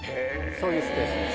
そういうスペースです。